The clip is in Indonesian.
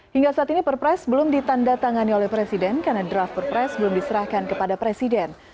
hingga saat ini perpres belum ditanda tangani oleh presiden karena draft perpres belum diserahkan kepada presiden